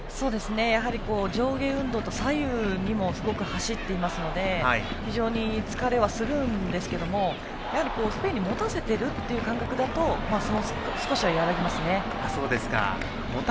やはり上下運動と左右にもすごく走っていますので非常に疲れはしますがやはり、スペインに持たせている感覚だと少しは和らぎますね。